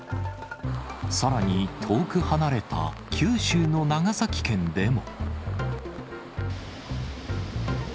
さらに、遠く離れた九州の長崎県でも。